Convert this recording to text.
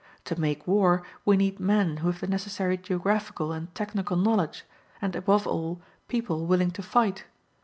To make war, we need men who have the necessary geographical and technical knowledge, and, above all, people willing to fight.